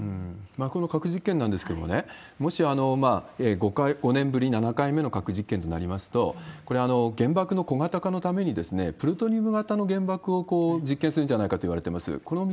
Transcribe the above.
この核実験なんですけれども、もし５年ぶり、７回目の核実験となりますと、これ、原爆の小型化のために、プルトニウム型の原爆を実験するんじゃないかといわれてます。